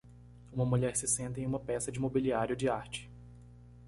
Uma mulher se senta em uma peça de mobiliário de arte.